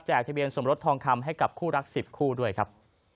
ทะเบียนสมรสทองคำให้กับคู่รัก๑๐คู่ด้วยครับ